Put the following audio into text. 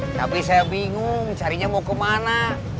tapi saya bingung carinya mau kemana